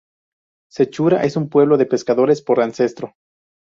Sechura es un pueblo de pescadores por ancestro.